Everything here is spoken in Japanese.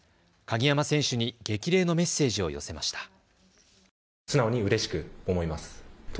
鍵山選手に激励のメッセージを寄せました。